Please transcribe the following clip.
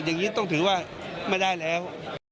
อย่างนี้ต้องถือว่าไม่ได้แล้ว